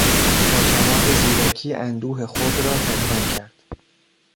با کمال زیرکی اندوه خود را پنهان کرد.